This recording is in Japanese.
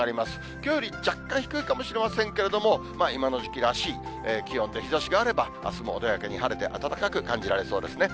きょうより若干低いかもしれませんけれども、今の時期らしい気温で、日ざしがあればあすも穏やかに晴れて暖かく感じられそうですね。